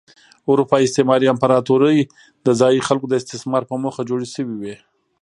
اروپايي استعماري امپراتورۍ د ځايي خلکو د استثمار په موخه جوړې شوې وې.